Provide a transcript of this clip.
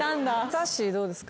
さっしーどうですか？